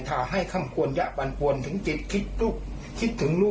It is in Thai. สามารถกิโดยการติดต่อใจผู้ที่เหรอ